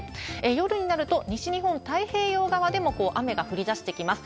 夜になると、西日本、太平洋側でも雨が降りだしてきます。